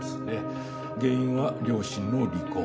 原因は両親の離婚。